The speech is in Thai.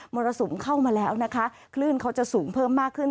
รสุมเข้ามาแล้วนะคะคลื่นเขาจะสูงเพิ่มมากขึ้น